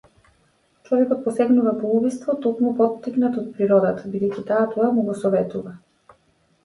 Човекот посегнува по убиство токму поттикнат од природата, бидејќи таа тоа му го советува.